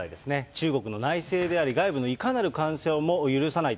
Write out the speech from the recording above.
中国の内政であり、外部のいかなる干渉も許さない。